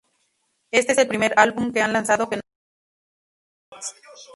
Éste es el primer álbum que han lanzado que no está en Hellcat Records.